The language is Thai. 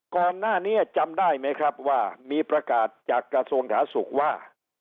ก่อนหน้านี้จำได้ไหมครับว่ามีประกาศจากกระทรวงสาธารณสุขว่า